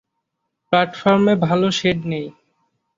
প্ল্যাটফর্মে ভাল শেড নেই।